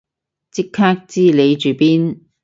即刻知你住邊